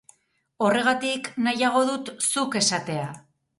Horregatik, nahiago dut zuk esatea.